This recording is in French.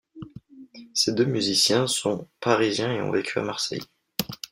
Ces deux musiciens sont parisiens et ont vécu à Marseille.